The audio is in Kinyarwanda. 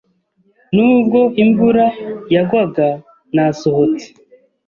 Nubwo imvura yagwaga, nasohotse.